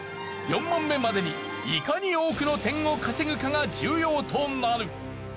４問目までにいかに多くの点を稼ぐかが重要となる。